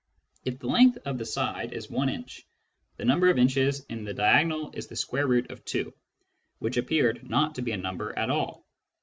If the length of the side is I inch, the number of inches in the diagonal is the square root of 2, which appeared not to be a number at all.